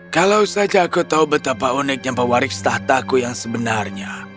kalau saja aku tahu betapa uniknya pewaris tahtaku yang sebenarnya